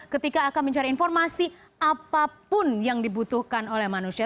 ketika akan mencari informasi apapun yang dibutuhkan oleh manusia